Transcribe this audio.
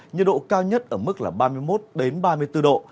nhiệt độ cao nhất ở mức là ba mươi một ba mươi bốn độ